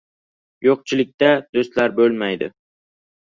• Yo‘qchilikda do‘stlar bo‘lmaydi.